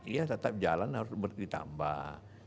iya tetap jalan harus ditambah